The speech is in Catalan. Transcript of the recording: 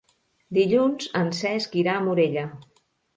Dilluns en Cesc irà a Morella.